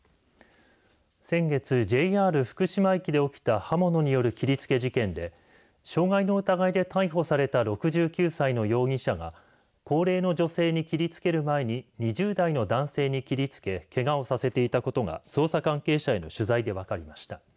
先月、ＪＲ福島駅で起きた刃物による切りつけ事件で傷害の疑いで逮捕された６９歳の容疑者が高齢の女性に切りつける前に２０代の男性に切りつけけがをさせていたことが捜査関係者への取材で分かりました。